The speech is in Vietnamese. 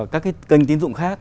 các cái kênh tín dụng khác